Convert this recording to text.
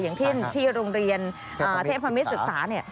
อย่างที่ที่โรงเรียนเทพมิตรศึกษา